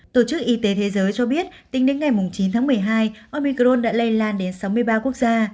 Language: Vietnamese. tổ chức y tế thế giới cho biết tính đến ngày chín tháng một mươi hai omicron đã lây lan đến sáu mươi ba quốc gia